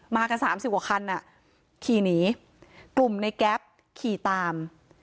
มากันสามสิบกว่าคันอ่ะขี่หนีกลุ่มในแก๊ปขี่ตาม